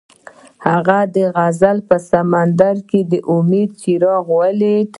هغه د غزل په سمندر کې د امید څراغ ولید.